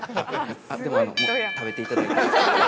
◆もう食べていただいて。